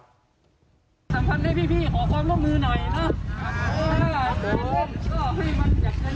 สำคัญให้พี่ขอความร่วมมือหน่อยถ้าแผ่นเล่นก็ให้มันอยากเป็น๒๐คน